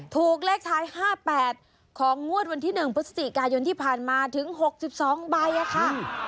ถูกเลขท้าย๕๘ของงวดวันที่๑พฤศจิกายนที่ผ่านมาถึง๖๒ใบค่ะ